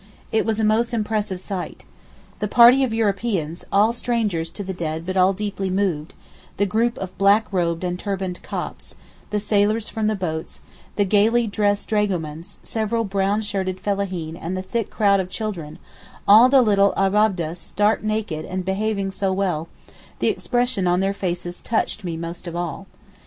It was a most impressive sight. The party of Europeans, all strangers to the dead but all deeply moved; the group of black robed and turbaned Copts; the sailors from the boats; the gaily dressed dragomans; several brown shirted fellaheen and the thick crowd of children—all the little Abab'deh stark naked and all behaving so well, the expression on their little faces touched me most of all.